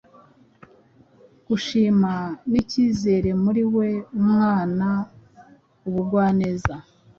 gushima n’icyizere muri we umwana ubugwaneza,